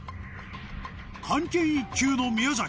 漢検１級の宮崎